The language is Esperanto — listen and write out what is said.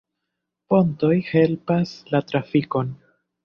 Pontoj helpas la trafikon.